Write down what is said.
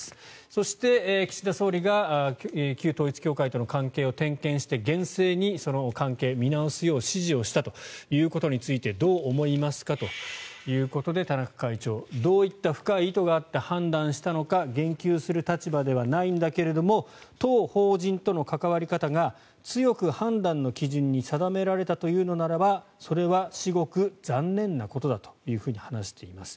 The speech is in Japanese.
そして岸田総理が旧統一教会との関係を点検して厳正にその関係、見直すように指示したということについてどう思いますか？ということで田中会長どういった深い意図があって判断したのか言及する立場ではないんだけれども当法人との関わり方が強く判断の基準に定められたというならばそれは至極残念なことだと話しています。